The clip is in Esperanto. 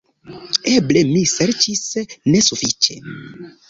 Eble mi serĉis nesufiĉe.